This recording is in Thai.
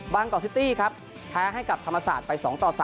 กอกซิตี้ครับแพ้ให้กับธรรมศาสตร์ไป๒ต่อ๓